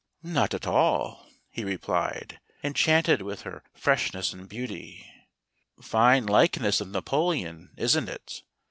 " Not at all," he replied, enchanted with her fresh¬ ness and beauty. " Fine likeness of Napoleon, isn't it